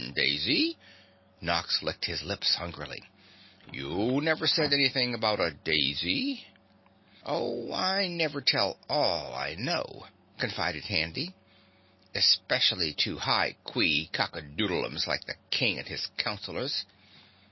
"Daisy?" Nox licked his lips hungrily. "You never said anything about a daisy." "Oh, I never tell all I know," confided Handy, "especially to Hi qui cockadoodlums like the King and his Counselors.